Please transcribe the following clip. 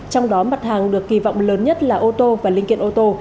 trong đó mặt hàng được kỳ vọng lớn nhất là ô tô và linh kiện ô tô